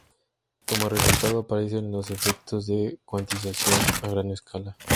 Como resultado, aparecen los efectos de cuantización a gran escala.